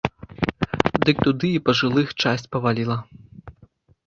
Дык туды і пажылых часць паваліла.